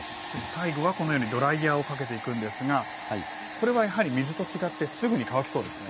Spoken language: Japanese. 最後はこのようにドライヤーをかけていくんですがこれはやはり水と違ってすぐに乾きそうですね。